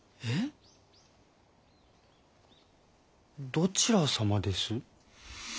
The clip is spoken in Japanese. どちら様です？